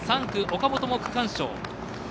３区、岡本も区間賞。